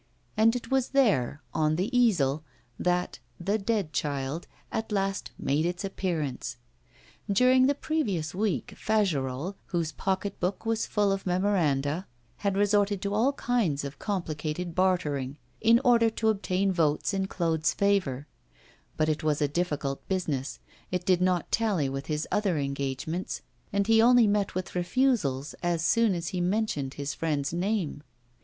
And it was there, 'on the easel,' that 'The Dead Child' at last made its appearance. During the previous week Fagerolles, whose pocket book was full of memoranda, had resorted to all kinds of complicated bartering in order to obtain votes in Claude's favour; but it was a difficult business, it did not tally with his other engagements, and he only met with refusals as soon as he mentioned his friend's name.